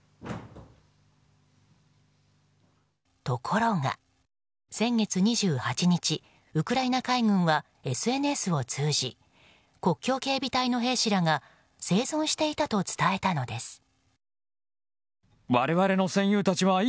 ところが、先月２８日ウクライナ海軍はＳＮＳを通じ国境警備隊の兵士らが生存していたと伝えたのです。